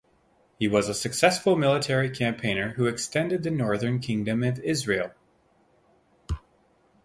He was a successful military campaigner who extended the northern kingdom of Israel.